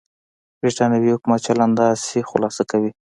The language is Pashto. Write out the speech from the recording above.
برېټانوي حکومت چلند داسې خلاصه کوي.